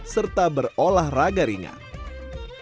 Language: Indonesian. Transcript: serta berolah raga ringan